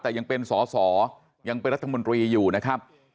แต่ยังเป็นสอสอยังเป็นรัฐมนตรีอยู่นะครับ